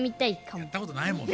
やったことないもんね。